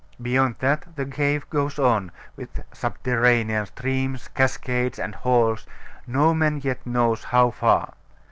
Beyond that the cave goes on, with subterranean streams, cascades, and halls, no man yet knows how far.